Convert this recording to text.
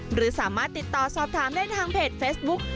หรือสามารถติดต่อสอบถามได้ทางเพจเฟซบุ๊ก